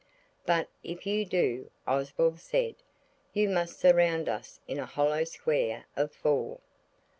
"But if you do," Oswald said, "you must surround us in a hollow square of four."